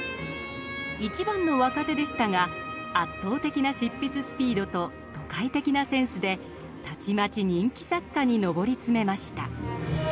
一番の若手でしたが圧倒的な執筆スピードと都会的なセンスでたちまち人気作家に上り詰めました。